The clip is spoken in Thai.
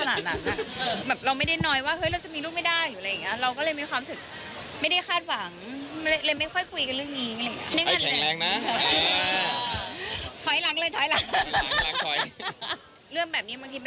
แต่ว่ามีคนเค้าถามว่าเคยสนใจไหมเคยปรึกษากับทางนุ่นไหม